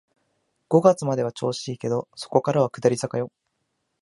五月までは調子いいけど、そこからは下り坂よ